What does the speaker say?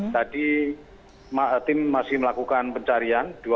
tadi tim masih melakukan pencarian